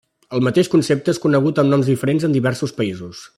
El mateix concepte és conegut amb noms diferents en diversos països.